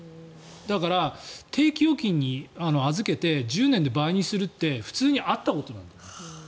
だから、定期預金に預けて１０年で倍にするって普通にあったことなんだよ。